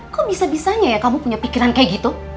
kok bisa bisanya ya kamu punya pikiran kayak gitu